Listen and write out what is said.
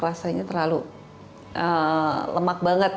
rasanya terlalu lemak banget